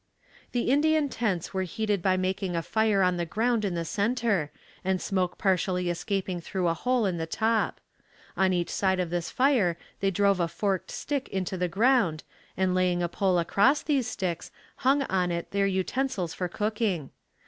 The Indian tents were heated by making a fire on the ground in the center, the smoke partially escaping through a hole in the top. On each side of this fire they drove a forked stick into the ground and laying a pole across these sticks hung on it their utensils for cooking.